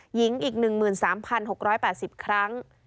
หญิงอีก๑๓๖๘๐ครั้ง